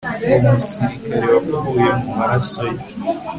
Uwo musirikare wapfuye mumaraso ye